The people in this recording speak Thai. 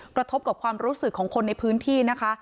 กระทบกับความรู้สึกของคนในพื้นที่นะคะ